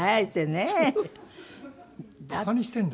馬鹿にしてんだ。